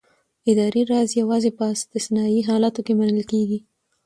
اداري راز یوازې په استثنايي حالاتو کې منل کېږي.